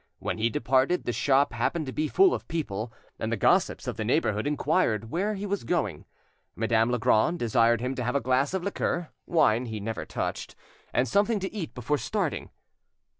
When he departed, the shop happened to be full of people, and the gossips of the neighbourhood inquired where he was going. Madame Legrand desired him to have a glass of liqueur (wine he never touched) and something to eat before starting.